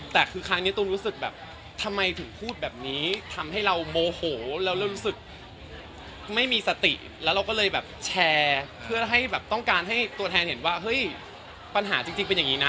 แต่คือครั้งนี้ตูมรู้สึกแบบทำไมถึงพูดแบบนี้ทำให้เราโมโหแล้วเรารู้สึกไม่มีสติแล้วเราก็เลยแบบแชร์เพื่อให้แบบต้องการให้ตัวแทนเห็นว่าเฮ้ยปัญหาจริงเป็นอย่างนี้นะ